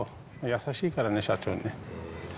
優しいからね、社長ね。